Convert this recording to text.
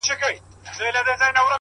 وخت د حقیقت تر ټولو وفادار شاهد دی